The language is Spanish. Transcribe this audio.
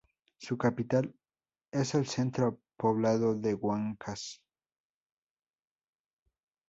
Su capital es el centro poblado de Huancas.